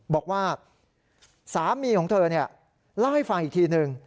บอกว่าสามีของเธอเล่าให้ฟังอีกทีนึง